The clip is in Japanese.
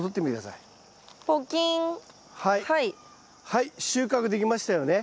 はい収穫できましたよね。